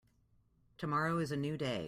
Tomorrow is a new day.